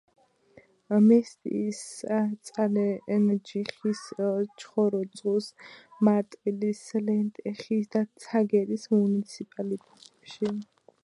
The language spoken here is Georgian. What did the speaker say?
მესტიის, წალენჯიხის, ჩხოროწყუს, მარტვილის, ლენტეხის და ცაგერის მუნიციპალიტეტებში.